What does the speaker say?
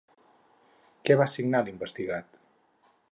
Què va signar l'investigat?